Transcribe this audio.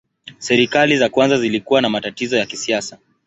Serikali za kwanza zilikuwa na matatizo ya kisiasa.